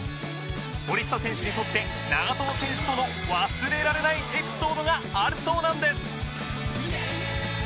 森下選手にとって長友選手との忘れられないエピソードがあるそうなんです